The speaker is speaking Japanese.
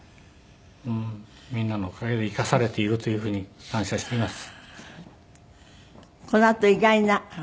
みんなのおかげで生かされているというふうに感謝しています。